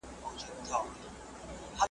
تاوېدم لکه پېچک له ارغوانه .